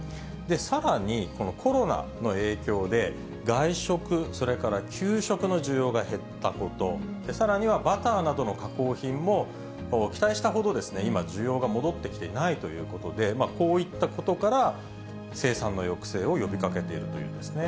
さらにコロナの影響で外食、それから給食の需要が減ったこと、さらにはバターなどの加工品も期待したほど今、需要が戻ってきてないということで、こういったことから、生産の抑制を呼びかけているというんですね。